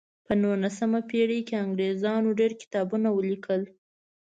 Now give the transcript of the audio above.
په نولسمه پیړۍ کې انګریزانو ډیر کتابونه ولیکل.